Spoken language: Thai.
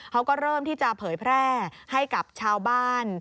เขาก็เริ่มที่จะเผยแพร่ให้กับชาวบ้าน